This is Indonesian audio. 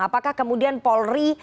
apakah kemudian polri